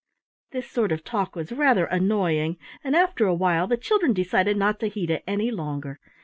This sort of talk was rather annoying, and after a while the children decided not to heed it any longer.